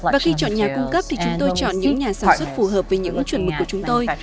và khi chọn nhà cung cấp thì chúng tôi chọn những nhà sản xuất phù hợp với những chuẩn mực của chúng tôi